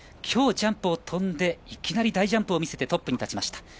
今日、ジャンプを飛んでいきなり大ジャンプを見せてトップに立ちました。